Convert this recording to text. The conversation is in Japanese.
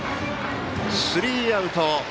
スリーアウト。